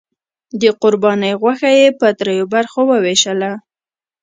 د قربانۍ غوښه یې په دریو برخو وویشله.